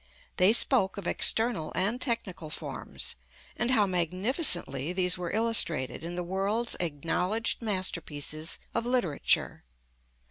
They spoke of external and technical forms, and how magnificently these were illustrated in the world's acknowledged masterpieces of literature.